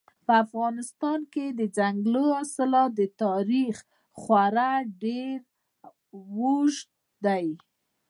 په افغانستان کې د ځنګلي حاصلاتو تاریخ خورا ډېر اوږد دی.